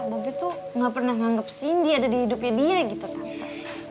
bobi tuh gak pernah nganggep sindi ada di hidupnya dia gitu tante